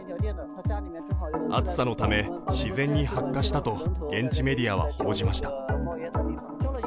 暑さのため、自然に発火したと現地メディアは報じました。